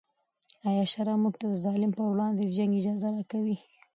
آیا شرع موږ ته د ظالم پر وړاندې د جنګ اجازه راکوي؟